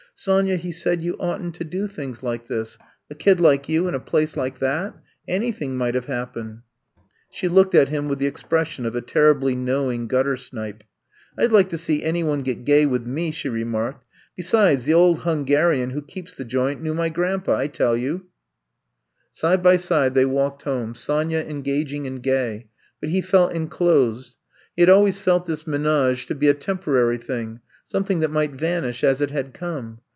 Sonya," he said, *'you oughtn't to do things like this — a kid like you in a place like that I Anything might have happened. '' She looked at him with the expression of a terribly knowing guttersnipe. *'I 'd like to see any one get gay with me/" she re marked. *' Besides, the old Hungarian who keeps the joint knew my grandpa, I tell you!" 148 I'VE COMB TO STAT Side by side they walked home, Sonya engaging and gay; but he felt enclosed. He had always felt this menage to be a tem porary thing, something that might vanish as it had come.